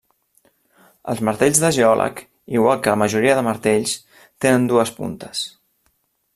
Els martells de geòleg, igual que la majoria dels martells, tenen dues puntes.